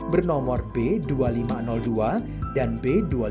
bernomor b dua ribu lima ratus dua dan b dua ribu lima ratus tiga